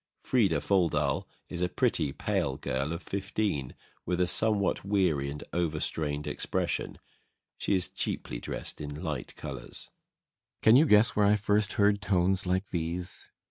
FRIDA FOLDAL is a pretty, pale girl of fifteen, with a somewhat weary and overstrained expression. She is cheaply dressed in light colours. BORKMAN. Can you guess where I first heard tones like these?